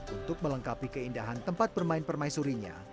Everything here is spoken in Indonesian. untuk melengkapi keindahan tempat bermain permaisurinya